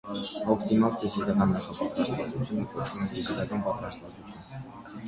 Օպտիմալ ֆիզիկական նախապատրաստվածությունը կոչվում է ֆիզիկական պատրաստվածություն։